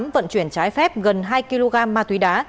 vận chuyển trái phép gần hai kg ma túy đá